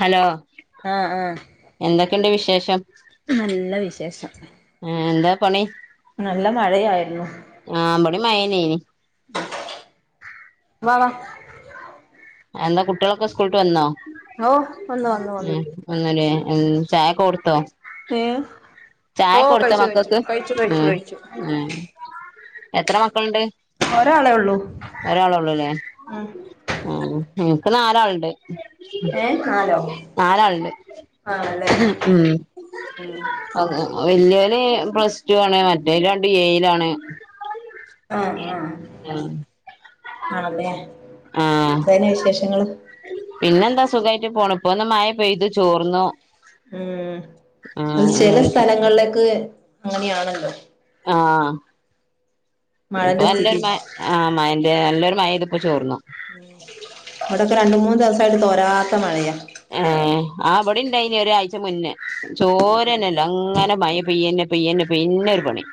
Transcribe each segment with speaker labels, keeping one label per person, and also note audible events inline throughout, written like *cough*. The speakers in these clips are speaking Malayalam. Speaker 1: ഹലോ?
Speaker 2: ആഹ് ആഹ്
Speaker 1: എന്തൊക്കെണ്ട് വിശേഷം?
Speaker 2: നല്ല വിശേഷം.
Speaker 1: ആഹ് എന്താ പണി?
Speaker 2: നല്ല മഴയായിരുന്നു.
Speaker 1: ആഹ് ബടീം മഴെന്നേര്ന്നു.
Speaker 2: വാ വാഹ്.
Speaker 1: എന്താ കുട്ടികളൊക്കെ സ്കൂൾട്ട് വന്നോ?
Speaker 2: ഓഹ് വന്നു വന്നു വന്നു.
Speaker 1: വന്നൂല്ലേ ം ചായെകൊടുത്തോ?
Speaker 2: ഏഹ്?
Speaker 1: ചായ കൊടുത്തോ മക്കൾക്ക്?
Speaker 2: കഴിച്ചു
Speaker 1: ്
Speaker 2: കഴിച്ചു
Speaker 1: ് എത്ര മക്കൾണ്ട്?
Speaker 2: ഒരാളെ ഉള്ളൂ
Speaker 1: ഒരാളൊള്ളൂലെ?
Speaker 2: ഉം
Speaker 1: ആഹ് ഇൻക്ക് നാലാൾണ്ട്.
Speaker 2: ഏ നാലോ
Speaker 1: നാലാൾണ്ട് ം.
Speaker 2: ം
Speaker 1: വല്ല്യോന് പ്ലസ്ടൂ ആണ് മറ്റേത് രണ്ടും എഴിലാണ്.
Speaker 2: ആഹ് ആഹ് ആണല്ലേ
Speaker 1: ആ
Speaker 2: എന്താ പിന്നെ വിശേഷങ്ങള്?
Speaker 1: പിന്നെന്താ സുഖായിട്ട് പോണു പ്പൊന്ന് മഴ പെയ്ത് ചോർന്നു.
Speaker 2: ം അത് ചെല
Speaker 1: ആ
Speaker 2: സ്ഥലങ്ങളിലേക്ക് അങ്ങനെയാണല്ലോ.
Speaker 1: ആഹ് ഇപ്പൊ
Speaker 2: മഴന്റെ സ്ഥിതി
Speaker 1: നല്ലൊരു മഴ ആഹ് മഴന്റെ നല്ലൊരു മഴ പെയ്ത്പ്പോ ചോർന്നു.
Speaker 2: ം വ്ടൊക്കെ രണ്ട്മൂന്ന് ദിവസായിട്ട് തോരാത്ത മഴയാ.
Speaker 1: ഏഹ് ആ വടി ണ്ടായിനി ഒരാഴ്ച്ച മുന്നേ ചോരന്നെല്ല അങ്ങനെ മയ പെയ്യന്നെ പെയ്യന്നെ പെയ്യന്നെ ഒരു പണി.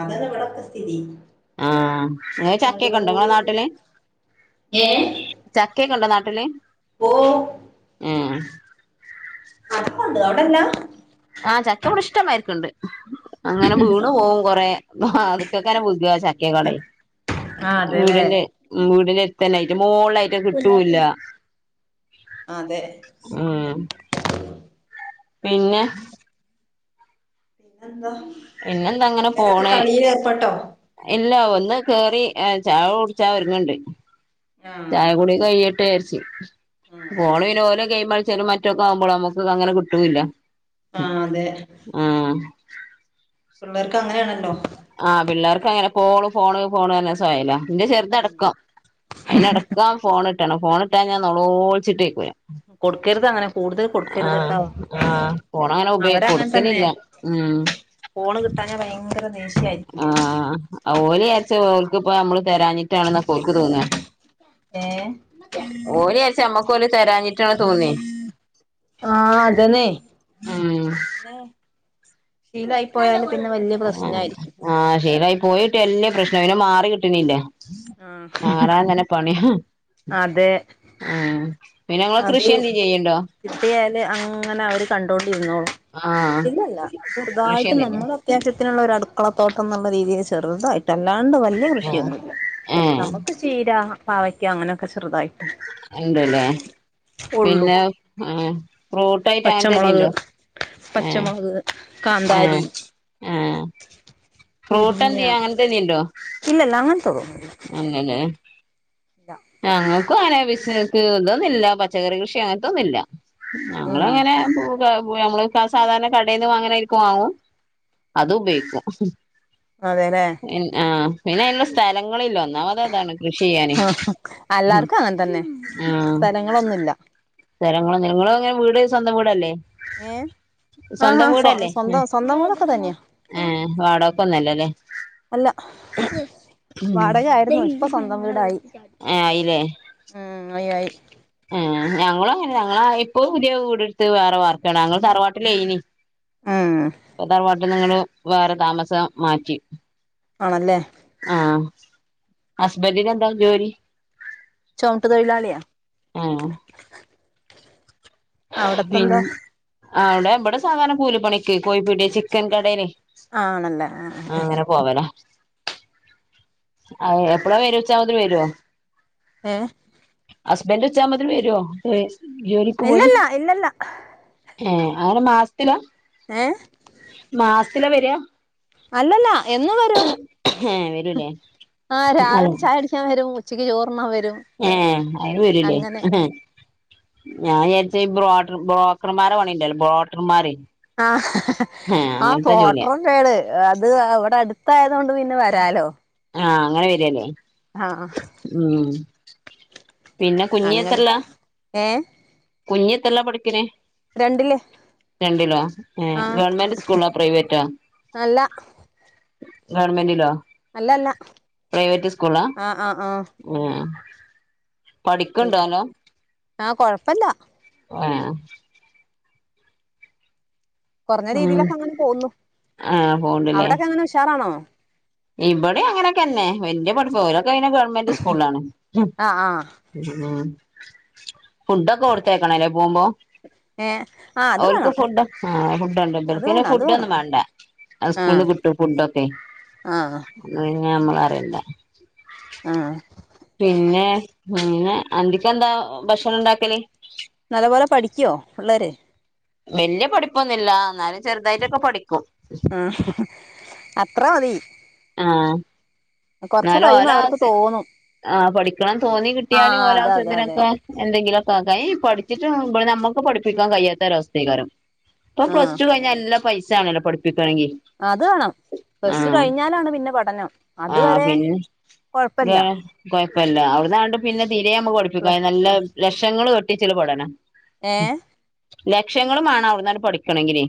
Speaker 2: അതന്നെ വ്ടക്ക സ്ഥിതി.
Speaker 1: ആഹ് ങ്ങക്ക് ചക്കെക്കണ്ടൊ ങ്ങളെ നാട്ടില്?
Speaker 2: ഏ
Speaker 1: ചക്കേക്കണ്ടോ നാട്ടില്?
Speaker 2: ഓഹ്
Speaker 1: ം
Speaker 2: അതൊക്കണ്ട് അവടല്ലാ?
Speaker 1: ആഹ് ചക്ക ബ്ടെ ഇഷ്ടമായിരിക്ക്ണ്ട്. അങ്ങനെ വീണ് പോവും കൊറേ അത്ക്കാക്കാരം വ്ഗ്ഗാ ചക്കെകണ്ടൈ.
Speaker 2: ആ അതെല്ലേ?
Speaker 1: ം വീട്നെര്ത്തല്ലെ അയിൻ്റെ മോൾലായിട്ടത് ക്
Speaker 2: ല്ലേ
Speaker 1: ട്ടൂല്ല.
Speaker 2: അതെ.
Speaker 1: ം പിന്നെ?
Speaker 2: പിന്നെന്തഹ്?
Speaker 1: പിന്നെന്തങ്ങനെ പോണ്. ഇല്ല ഒന്ന് കേറി ് ചായ കുട്ച്ചാ ഒരുങ്ങ്ണ്ട്.
Speaker 2: ആ
Speaker 1: ചായ കൂടി കെയ്യട്ടെ വിചാരിച്ചു
Speaker 2: ആ ആ
Speaker 1: ഓള് പിന്നെ ഓലെ ഗെയിമൾച്ചലും മറ്റ് റ്റക്കാകുമ്പോള് ഞമ്മക്കങ്ങനെ കിട്ടൂല്ല.
Speaker 2: ആഹ് അതെ
Speaker 1: ആഹ്
Speaker 2: പിള്ളേർക്ക് അങ്ങനെയാണല്ലോ
Speaker 1: ആഹ് പിള്ളേർക്ക് അങ്ങനെ ഫോണ് ഫോണ് ഫോണ് പർഞ്ഞ് സുഖായല്ലോ ഇന്റെ ചെറുതടക്കം അയിനടക്കം ഫോണിട്ടണം ഫോണിട്ടാഞ്ഞാ നെലോളിച്ചിട്ടയക്കൂലാ
Speaker 2: കൊടുക്കരുത് അങ്ങനെ കൂടുതൽ കൊടുക്കരുത്
Speaker 1: ആഹ്
Speaker 2: ട്ടോ
Speaker 1: ആഹ് ഫോണങ്ങനെ ഉപയോഗിക്ക്
Speaker 2: അവരങ്ങനെ തന്നെ
Speaker 1: കൊടുക്കലില്ലാ ഉം
Speaker 2: ഫോണ് കിട്ടാഞ്ഞാ ഭയങ്കര ദേഷ്യായിരിക്കും
Speaker 1: ആഹ് ആഹ് ആഹ് ഓല് വിചാരിച്ച് ഓൽക്ക്പ്പം ഞമ്മള് തെരാഞ്ഞിട്ടാണ്ന്നാ ഓലിക്ക് തോന്നാ
Speaker 2: ഏഹ്
Speaker 1: ഓല് വിചാരിച്ചെ അമ്മക്ക് ഓല് തെരാഞ്ഞിട്ടാണ് തോന്നേ
Speaker 2: ആഹ് അതന്നെ
Speaker 1: ഉം
Speaker 2: അങ്ങനെ ശീലായി പോയ പിന്നെ വല്യ പ്രശ്നായിരിക്കും
Speaker 1: ആഹ് ശീലായി പോയിട്ടിയാ വല്യ പ്രശ്നാ പിന്നെ മാറി കിട്ടണില്ലാ മാറാൻ അങ്ങനെ പണിയാ
Speaker 2: ആ അതെ
Speaker 1: ആഹ് പിന്നെ ഇങ്ങള്
Speaker 2: അത്
Speaker 1: കൃഷിയെന്തേം ചെയ്യ്ണ്ടോ?
Speaker 2: കിട്ടിയാല് അങ്ങനെ അവര് കണ്ടോണ്ടിരുന്നോളും
Speaker 1: ആഹ്
Speaker 2: ഇല്ല ഇല്ല ചെറുതായിട്ട്
Speaker 1: കൃഷിയൊന്നുല്ലേ
Speaker 2: നമ്മളെ അത്യാവശത്തിനുള്ള ഒരു അടുക്കള തോട്ടന്ന്ള്ള രീതീല് ചെറുതായിട് ട്ടല്ലാണ്ട് വല്യ കൃഷിയൊന്നുല്ല
Speaker 1: ഏഹ്
Speaker 2: നമ്മക്ക് ചീര, പാവയ്ക്ക അങ്ങനെയൊക്കെ ചെറുതായിട്ട്
Speaker 1: ഇണ്ട്ല്ലേ
Speaker 2: ഉള്ളു
Speaker 1: പിന്നെ ഏഹ് ഫ്രൂട്ടായിട്ട്
Speaker 2: പച്ചമുളക്
Speaker 1: അങ്ങൻത്തെടിണ്ടോ ഏഹ്
Speaker 2: *unintelligible*
Speaker 1: ഏഹ് ഏഹ്
Speaker 2: മുരിങ്ങ
Speaker 1: ഫ്രൂട്ടെന്ത്യേ അങ്ങൻത്തെടി ഇണ്ടോ
Speaker 2: ഇല്ലല്ല അങ്ങൻത്തതൊന്നുല്ലാ
Speaker 1: അങ്ങനേ ഞങ്ങാ ക്കു അങ്ങനെ ബിസിനസ്സ് ഇതൊന്നില്ലാ പച്ചക്കറി കൃഷി അങ്ങനത്തൊന്നും ഇല്ല
Speaker 2: ഉം
Speaker 1: ഞങ്ങളങ്ങനെ ഫ്രൂ *unintelligible* ഞമ്മള് സാധാരണ കടേന്ന് വാങ്‌ണാരിക്ക് വാങ്ങും അത് ഉപയോഗിക്കും
Speaker 2: അതേല്ലേ
Speaker 1: ഇൻ ആഹ് പിന്നെ അയ്ന്ള്ള സ്ഥലങ്ങളില്ലാ ഒന്നാമത് അതാണ് കൃഷി ചെയ്യാന്
Speaker 2: ആ എല്ലാർക്കും അങ്ങനെ തന്നെ
Speaker 1: ആഹ്
Speaker 2: സ്ഥലങ്ങളൊന്നുമില്ല
Speaker 1: സ്ഥലങ്ങളൊന്നില്ല ഇങ്ങളെങ്ങനെ വീട് സ്വന്തം വീടല്ലേ
Speaker 2: ഏ ആഹാ
Speaker 1: സ്വന്തം
Speaker 2: സ്വ
Speaker 1: വീടല്ലേ
Speaker 2: സ്വന്തം സ്വന്തം വീടൊക്കെ തന്നെയാ
Speaker 1: ആഹ് വാടകക്കൊന്നും അല്ലല്ലേ
Speaker 2: അല്ലാ വാടക ആയിരുന്നു ഇപ്പ സ്വന്തം വീടായി
Speaker 1: ഏഹ് ആയില്ലേ
Speaker 2: ഉം ആയി ആയി
Speaker 1: ഏഹ് ഞങ്ങളു അങ്ങനെ ഞങ്ങളാ ഇപ്പോ പുതിയ വീടെടുത്ത് വേറെ വാർക്കാണ് ഞങ്ങള് തറവാട്ടിലേയ്നി
Speaker 2: ഉം
Speaker 1: ഇപ്പോ തറവാട്ടീന്നങ്ങട്ട് വേറെ താമസം മാറ്റി
Speaker 2: ആണല്ലേ
Speaker 1: ആഹ് ഹസ്ബന്റിന് എന്താ ജോലി?
Speaker 2: ചൊമട്ട് തൊഴിലാളിയാ
Speaker 1: ഏഹ് പിൻ
Speaker 2: അവിടത്തെന്താ
Speaker 1: ആഹ് ഇവടെ ഇബടെ സാധാരണ കൂലിപ്പണിക്ക് കോയിപ്പീട്യേ ചിക്കൻ കടേലെ
Speaker 2: ആണല്ലേ ആഹ് ആഹ്
Speaker 1: പോവലാ അയേ എപ്പളാ വെരാച്ചാ *unintelligible* വെരോ?
Speaker 2: ഏ
Speaker 1: ഹസ്ബന്റ് ഉച്ചാവുമ്പത്തെ വെരും ജോലിക്ക് പോയി
Speaker 2: ഇല്ലല്ല ഇല്ലല്ല
Speaker 1: ഏ അങ്ങനെ മാസ്ത്തിലാ
Speaker 2: ഏഹ്
Speaker 1: മാസ്ത്തിലാ വെരാ
Speaker 2: അല്ലല്ല എന്നു വെരും
Speaker 1: ഏഹ് വരൂലേ
Speaker 2: വെരും ഉച്ചക്ക് ചോറുണ്ണാൻ വെരും
Speaker 1: ഏഹ് അയ്‌നും വെരൂല്ലേ ഞാൻ വിചാരിച്ച് ബ്രോർ ബ്രോക്കർമാരെ പണിണ്ടല്ലോ ബ്രോട്ടർമാര്
Speaker 2: ആ ആ
Speaker 1: അങ്ങനത്തെ ജോലിയാ
Speaker 2: പോട്ര് ന്നേണ് അത് അവിടെ അടുത്തായതോണ്ട് പിന്നെ വെരാലോ
Speaker 1: ആ അങ്ങനെ വെരാല്ലേ
Speaker 2: ആ ആ
Speaker 1: ആഹ് പിന്നെ കുഞ്ഞി
Speaker 2: അങ്ങനെ
Speaker 1: എത്രെല്ലാ
Speaker 2: ഏ
Speaker 1: കുഞ്ഞിത്രേലാ പഠിക്കണെ
Speaker 2: രണ്ടില്
Speaker 1: രണ്ടിലോ ഏ
Speaker 2: ആ
Speaker 1: ഗവൺമെന്റ് സ്കൂള്ള പ്രൈവെറ്റോ
Speaker 2: അല്ല
Speaker 1: ഗവൺമെന്റിലോ
Speaker 2: അല്ലല്ല
Speaker 1: പ്രൈവറ്റ് സ്കൂളാ
Speaker 2: ആ ആ ആ
Speaker 1: ആഹ്
Speaker 2: പിന്നെ
Speaker 1: പഠിക്ണ്ടാനോ
Speaker 2: ആ കൊഴപ്പില്ല
Speaker 1: ആഹ്
Speaker 2: കുറഞ്ഞ
Speaker 1: ഉം
Speaker 2: രീതിലൊക്കെ അങ്ങനെ പോന്നു
Speaker 1: ആ
Speaker 2: അവിടെക്കെ ങ്ങനെ ഉഷാറാണോ
Speaker 1: ഇവിടെം അങ്ങനൊക്കന്നെ വല്യാപടിപ്പോ ഇതൊക്കെ അയ്ന് ഗവണ്മെന്റ് സ്കൂളാണ്
Speaker 2: ആ ആ
Speaker 1: ഉം ഫുഡൊക്കെ കൊട്ത്തേക്കണല്ലേ പോവുംമ്പോ?
Speaker 2: ഏ ആ അത്
Speaker 1: ഓൽക്ക്
Speaker 2: വേണം
Speaker 1: ഫുഡ് ആ ഫുഡോണ്ട്
Speaker 2: അത്
Speaker 1: ചെറുക്കന്
Speaker 2: വേണം അത് വേണം
Speaker 1: ഫുഡ്ഡോന്നും മേണ്ടാ ആ
Speaker 2: ആഹ്
Speaker 1: സ്കൂൾന്ന് കിട്ടും ഫുഡൊക്കെ.
Speaker 2: ആഹ്
Speaker 1: ന്ന പിന്നെ നമ്മളറിയ്ന്നേ
Speaker 2: ആഹ്
Speaker 1: പിന്നെ പിന്നെ അ ന്തിക്കെന്താ ഭക്ഷണിണ്ടാക്കല്?
Speaker 2: നല്ലപോലെ പഠിക്കുവോ പിള്ളേര്?
Speaker 1: വല്ല്യ പഠിപ്പൊന്നുല്ല എന്നാലും ചെറുതായിട്ടൊക്കെ പഠിക്കും.
Speaker 2: ആ അത്ര മതി.
Speaker 1: ആഹ്
Speaker 2: കൊറച്ച്
Speaker 1: ന്നാലും
Speaker 2: കഴിയുമ്പോ അവർക്ക്
Speaker 1: ഓലാവസ്യ
Speaker 2: തോന്നും
Speaker 1: ആ പഠിക്കണം തോന്നി കിട്ടിയാലും
Speaker 2: ആഹ് അതെ
Speaker 1: ഓലാവസ്യ
Speaker 2: അതെ അതെ
Speaker 1: ത്തിനൊക്കെ. എന്തെങ്കിലൊക്കാക്ക പഠിച്ചിട്ട് ബടെ മ്മക്ക് പഠിപ്പിക്കാൻ കയ്യാത്ത ഒരവസ്ഥക്കാരം. പ്പം
Speaker 2: ആഹ്
Speaker 1: പ്ലസ് ടു കഴിഞ്ഞാ നല്ല പൈസാണല്ലോ പഠിപ്പിക്കണങ്കി.
Speaker 2: അത് വേണം പ്ലസ്ടു കഴിഞ്ഞാലാണ് പിന്നെ പഠനം.
Speaker 1: ആഹ്
Speaker 2: അതുവരെ
Speaker 1: പിന്നെ
Speaker 2: കൊഴപ്പല്ല
Speaker 1: വാ കൊഴിപ്പല്ല അവിടന്നാണ്ട് പിന്നെ തീരെ മ്മക്ക് പഠിപ്പിക്ക കയ്യൂല നല്ല ലക്ഷങ്ങള് വെട്ടിച്ച് ള്ള പഠന.
Speaker 2: ഏഹ്
Speaker 1: ലക്ഷ്ങ്ങള് മാണം ഔട്ന്നാണ്ട് പഠിക്കണങ്കിലെ.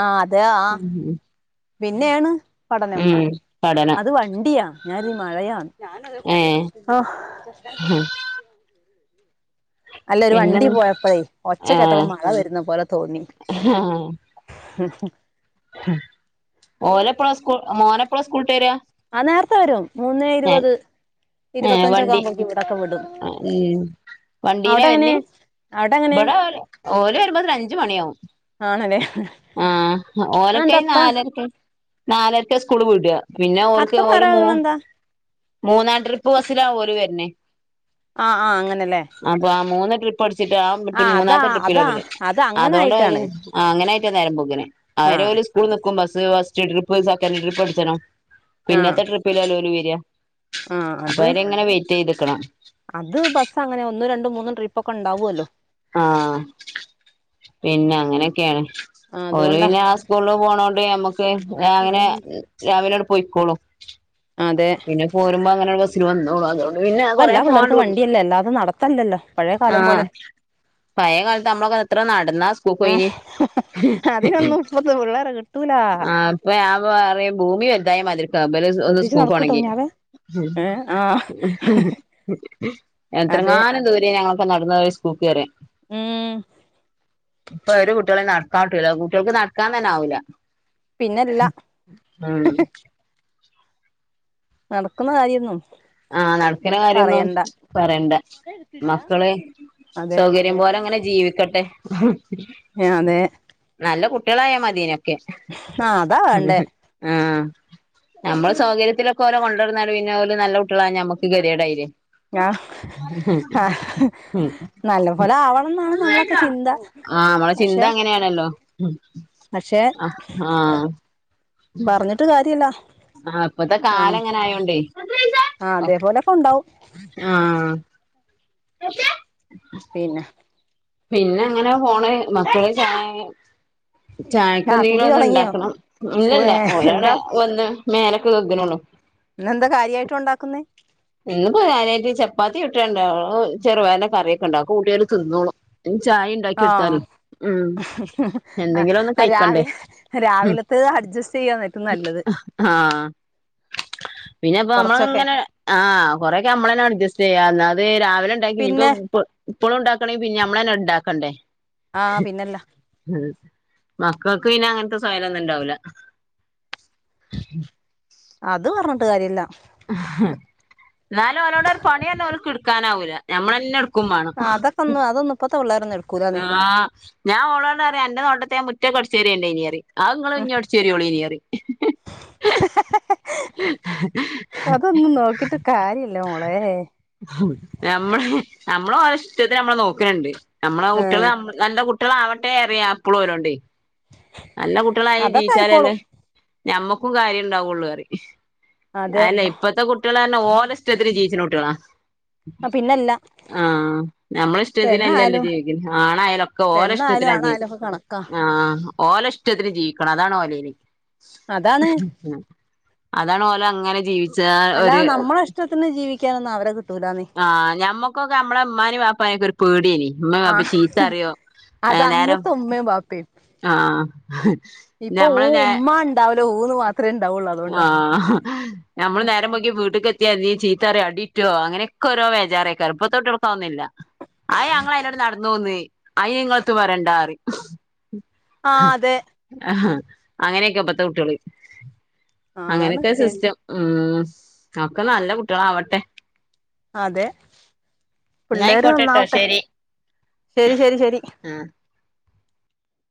Speaker 2: ആ അതാ ആ പിന്നെണ് പഠനം
Speaker 1: ഉം പഠനം
Speaker 2: അത് വണ്ടിയാ. ഞാനീ മഴയാ ഹോ
Speaker 1: ഹ
Speaker 2: അല്ല ഒരു
Speaker 1: പിന്നെ
Speaker 2: വണ്ടി പോയപ്പഴേയ് ഒച്ച കേട്ടപ്പോ
Speaker 1: ഏഹ്
Speaker 2: മഴ വരുന്ന പോലെ തോന്നി. ഹ്‌ ഹ്‌
Speaker 1: ഓലെപ്പഴാ സ്കൂ മോനപ്പഴാ സ്കൂൾട്ടെ രാ?
Speaker 2: ആ നേർത്തെ വരും, മൂന്നേ ഇരുപത്
Speaker 1: ഏഹ്
Speaker 2: ഇരുപത്തഞ്ചൊക്കെ
Speaker 1: വണ്ടി
Speaker 2: ആവുമ്പോഴേക്കും ഇവടൊക്കെ വിടും.
Speaker 1: ഉം വണ്ടീലാ
Speaker 2: അവിടെ എങ്ങനെ
Speaker 1: വര്ന്ന്?
Speaker 2: അവിടെ എങ്ങനെ
Speaker 1: ബടെ ഓല് ഓല് വരുമ്പോത്തിന് അഞ്ജ് മണിയാവും.
Speaker 2: ആണല്ലേ
Speaker 1: ആഹ്
Speaker 2: അതെന്താ
Speaker 1: ഓലക്കയിന്
Speaker 2: അത്ര
Speaker 1: നാലര്ക്കാ നാലര്ക്കാ സ്കൂള് വ്ടാ. പിന്നെ
Speaker 2: അത്ര
Speaker 1: ഓൽക്ക് ഓല്
Speaker 2: നേരം
Speaker 1: മൂ
Speaker 2: ആകണെന്താ
Speaker 1: മൂന്നാം ട്രിപ്പ് ബസ്സിലാ ഓല് വര്ന്നെ.
Speaker 2: ആഹ്‌ ആഹ്‌ അങ്ങനെലേ.
Speaker 1: അപ്പൊ ആഹ്‌ മൂന്ന് ട്രിപ്പ് അടിച്ചിട്ട് ആ
Speaker 2: അതാ
Speaker 1: മൂന്നാമത്തെ ട്രിപ്പിലാ
Speaker 2: അതാ
Speaker 1: ഇവര്.
Speaker 2: അത് അങ്ങനെ
Speaker 1: അതൊണ്ട് അയ്ല്
Speaker 2: ആയിട്ടാണ്
Speaker 1: ആഹ് അങ്ങനെ ആയിട്ടാ നേരം വേഗ്ഗല് അവര്
Speaker 2: ആഹ്
Speaker 1: ഓല് സ്കൂൾ ന്ക്കും bus first trip second trip അട്ചണം,
Speaker 2: ആഹ്
Speaker 1: പിന്നെത്തെ ട്രിപ്പിലല്ലേ ഓല് വര്ആ.
Speaker 2: ആഹ് അത് അത് ബസ് അങ്ങനെ ഒന്ന് രണ്ടും മൂന്നും ട്രിപ്പ് ഒക്കെ ഉണ്ടാവുല്ലോ.
Speaker 1: ആഹ് പിന്നെ അങ്ങനൊക്കേണ്.
Speaker 2: ആഹ്
Speaker 1: ഓല്
Speaker 2: അതുകൊണ്ടാ
Speaker 1: പിന്നെ ആ സ്കൂൾല് പോണോണ്ട് ഞമ്മക്ക് അങ്ങനെ രാവിലെ അട് പോയിക്കോളും.
Speaker 2: അതെ.
Speaker 1: പോരുമ്പോ അങ്ങനൊരു ബസ്സില് വന്നോളും അതോ പിന്നെ
Speaker 2: ഇപ്പ
Speaker 1: കൊറേ
Speaker 2: എല്ലാ
Speaker 1: പോവാണ്ട്
Speaker 2: പിള്ളേർക്കും
Speaker 1: വ്ട്ന്ന്
Speaker 2: വണ്ടിയല്ലേ അല്ലാതെ നടത്തല്ലല്ലോ പഴയ കാലം
Speaker 1: ആഹ്.
Speaker 2: പോലെ
Speaker 1: പയേ കാൽത്ത് അമ്മളൊക്കെ എത്ര നടന്നാ സ്കൂൾക്കോയ്ന്.
Speaker 2: ഹതിനൊന്നും ഇപ്പത്തെ പിള്ളേരെ കിട്ടൂലാ.
Speaker 1: ആഹ് ഞാൻ പറയും ഭൂമി വൽതായ മാതിരിക്കാ ഇബല് ഒന്ന് സ്
Speaker 2: ശ്രദ്ധിച്ച് നടക്കൂട്ടോ
Speaker 1: പോണങ്കി
Speaker 2: കുഞ്ഞാവേ ഏഹ് ആഹ്
Speaker 1: എത്ര
Speaker 2: അതെ
Speaker 1: ങ്ങാനു ദൂരേ ഞങ്ങളൊക്ക നട്ന്ന് സ്കൂൾക്ക് *unintelligible*
Speaker 2: ഉം.
Speaker 1: ഇപ്പൊ ഒരു കുട്ട്യാളീം നട്ക്കാം കിട്ടൂല കുട്ട്യാൾക്ക് നടക്കാൻ തന്നേ ആവൂല.
Speaker 2: പിന്നല്ല.
Speaker 1: ഉം.
Speaker 2: നടക്കുന്ന കാര്യന്നും
Speaker 1: ആഹ് നടക്ക്ണ കാര്യൊന്നും പറയണ്ട മക്കള്
Speaker 2: അതെ
Speaker 1: സൗകര്യം പോലെ ങ്ങനെ ജീവിക്കട്ടെ.
Speaker 2: അതെ.
Speaker 1: നല്ല കുട്ട്യാളായാ മതിനൊക്കെ.
Speaker 2: ആഹ് അതാ വേണ്ടേ
Speaker 1: ആഹ് നമ്മള സൗകര്യത്തിലൊക്കെ ഓരേ കൊണ്ടടന്നാല് പിന്നെ ഓല് നല്ല ക്ക്ള്ളാ ഞമ്മക്ക് കതീടായിലേ.
Speaker 2: ഞാ ഹാ നല്ല പോലെ ആവണന്നാണ് നമ്മളൊക്കെ ചിന്താ പക്ഷെ
Speaker 1: ഉം
Speaker 2: പക്ഷെ
Speaker 1: അ ആഹ്.
Speaker 2: പറഞ്ഞിട്ട് കാര്യല്ലാ.
Speaker 1: ആഹ് പ്പത്തെ കാലഅങ്ങനെ ആയോണ്ടേയ്
Speaker 2: ആഹ് അതേ പോലെക്കണ്ടാവും.
Speaker 1: ആഹ്. *unintelligible*
Speaker 2: പിന്നെ?
Speaker 1: പിന്നെങ്ങനെ പോണ് മക്കള് ചായ
Speaker 2: ആ
Speaker 1: ചായക്കൊന്തെങ്കിലും
Speaker 2: കുടി
Speaker 1: ഒന്നും
Speaker 2: തുടങ്ങിയോ
Speaker 1: ഉണ്ടാക്കണം
Speaker 2: കു
Speaker 1: ഇല്ലല്ല
Speaker 2: എന്താ
Speaker 1: ഒരാടയാ ഒന്ന് മേലൊക്ക കഴുക്ന്നുള്ളു
Speaker 2: ഇന്നെന്താ കാര്യായിട്ട് ഒണ്ടാക്കുന്നേ
Speaker 1: ഇന്നിപ്പോ കാര്യയിട്ട് ചപ്പാത്തി ചുട്ടതുണ്ട് ചെറുപയറിൻ്റെ കറിയൊക്കെ ഒണ്ട് അത് കൂട്ടിയങ്ങട്ട് തിന്നോളും ഇനി ചായേ
Speaker 2: ആഹ്
Speaker 1: എന്തെങ്കിലും ഒന്ന്
Speaker 2: ആ
Speaker 1: കഴിക്കണ്ടേ
Speaker 2: രാവിലെ
Speaker 1: ഉം
Speaker 2: രാവിലെ ത്ത് അഡ്ജസ്റ്റ് ചെയ്യാ നിനക്ക് നല്ലത്
Speaker 1: ആഹ് പിന്നപ്പോ
Speaker 2: കുറച്ചൊക്കെ
Speaker 1: അമ്മളങ്ങനെ ആ ആഹ് കൊറെയൊക്കെ അമ്മളന്നെ അഡ്ജസ്റ്റ് ചെയ്യാ അല്ലാതെ രാവിലെ ഉണ്ടാക്കി ഇനിയിപ്പോ
Speaker 2: പിന്നെ
Speaker 1: ഇപ്പ് ഇപ്പോളും ഉണ്ടാക്കണെ പിന്നെ ഞമ്മള് തന്നെ ഉണ്ടാക്കണ്ടേ
Speaker 2: ആഹ് പിന്നല്ല
Speaker 1: ഉം മക്കൾക്ക് പിന്നെ അങ്ങനത്തെ സയില്ലംന്നുംണ്ടാവൂല
Speaker 2: അത് പറഞ്ഞിട്ട് കാര്യല്ല
Speaker 1: എന്നാലും ഓരോട് ഒരു പണിയൊന്നും ഓർക്ക് എടുക്കാനാവൂല്ല ഞമ്മൾ തന്നെട്
Speaker 2: ആഹ് അതൊക്കൊന്ന് അതൊന്ന് ഇപ്പത്തെ പിള്ളേരൊന്നും എടു
Speaker 1: ആഹ് ഞാൻ ഓളോട് പറയും അന്റെ നോട്ടത്തെ ആ മുറ്റക്കേ അടച്ചുവാരി ഇടേ ഇനി പറയും അത് നിങ്ങളന്നെ അടിച്ചു വാരിയോള്ളിയെന്ന് പറയും ഹെ ഹെ ഹെ
Speaker 2: അതൊന്നും നോക്കിട്ട് കാര്യല്ല മോളെ
Speaker 1: നമ്മള് നമ്മള് ഓലെ ഇഷ്ട്ടത്തിന് നമ്മള് നോക്കണണ്ട് നമ്മളെ കുട്ടികള്
Speaker 2: ഏഹ്
Speaker 1: നമ്മ നല്ല കുട്ടികളാവട്ടെ പറയാ എപ്പളും ഓരോണ്ടേ നല്ല കുട്ടികളായി
Speaker 2: അതൊക്കെ ആയിക്കോളും
Speaker 1: ജീവിച്ചാലല്ലേ ഞമ്മക്കും കാര്യം ഇണ്ടാവുള്ളൂ പറയും
Speaker 2: അതെ
Speaker 1: അതല്ലേ ഇപ്പത്തെ കുട്ടികള് പറഞ്ഞ ഓരെ ഇഷ്ട്ടത്തിന് ജീവിച്ചുന്ന കുട്ടികളാ
Speaker 2: പിന്നല്ല
Speaker 1: ആഹ് നമ്മളെ ഇഷ്ടത്തിനല്ലല്ല്
Speaker 2: പെണ്ണായാലും
Speaker 1: ജീവിക്കുന്നെ. ആണായാലും ഒക്കെ ഓലെ
Speaker 2: പെണ്ണായാലും
Speaker 1: ഇഷ്ടത്തിനാ ജീവിക്ക
Speaker 2: ആണായാലും ഒക്കെ കണക്കാ
Speaker 1: ആഹ് ഓലെഷ്ടത്തിന് ജീവിക്കണം അതാണ് ഓലേരി
Speaker 2: അതാണ്
Speaker 1: ഉം. അതാണ് ഓല് അങ്ങനെ ജീവിച് ച്ചാ ഒരു
Speaker 2: അല്ലാതെ നമ്മളെ ഇഷ്ടത്തിന് ജീവിക്കാനൊന്നും അവരെ കിട്ടൂലാന്നേ
Speaker 1: ആഹ് ഞമ്മക് ക്കൊക്കെ നമ്മളെ ഉമ്മാനേം വാപ്പാനൊക്കെ ഒരു പേടിയെനി ഉമ്മയും വാപ്പയും
Speaker 2: ആഹ്
Speaker 1: ചീത്ത പറയോ
Speaker 2: അത്
Speaker 1: നേരം
Speaker 2: അന്നത്തെ ഉമ്മേം വാപ്പേം
Speaker 1: ആഹ്
Speaker 2: ഇപ്പൊ
Speaker 1: ഞമ്മള്
Speaker 2: ഊ
Speaker 1: നേ
Speaker 2: ഉമ്മാണ്ട് ണ്ടാവലേ *unintelligible* ഇത്രേണ്ടാവുള്ളു അ
Speaker 1: ആഹ് ഞമ്മള് നേരം വൈകി വീട്ട്ക്കെ ത്തിയാതി ചീത്തറയോ അടീറ്റോ അങ്ങനെയൊക്കെ ഓരോ വേജാറേകാരം ഇപ്പത്തെ കുട്ട്യോൾക്ക് അതൊന്നില്ല ആയ് ഞങ്ങള് അതിനോട് നടന്നോന്ന് അയിന് നിങ്ങള്ത്ത് വരണ്ടാറയും
Speaker 2: ആഹ് അതെ
Speaker 1: അങ്ങനെയൊക്കെപ്പത്തെ കുട്ട്യോള്
Speaker 2: ആഹ് അതാണ്
Speaker 1: അങ്ങനെയൊക്കെയാ
Speaker 2: പേടി
Speaker 1: സിസ്റ്റം ഉം ഒക്കെ നല്ല കുട്ടികളാവട്ടെ
Speaker 2: അതെ
Speaker 1: ന്നാ
Speaker 2: പിള്ളേര്
Speaker 1: ആയിക്കോട്ടെട്ടോ
Speaker 2: നന്നാവട്ടെ
Speaker 1: ശരി
Speaker 2: ശരി ശരി ശരി
Speaker 1: ആ